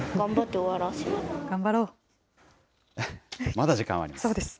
まだ時間はあります。